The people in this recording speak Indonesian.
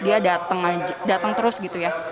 dia datang terus gitu ya